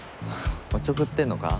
おちょくってんのか？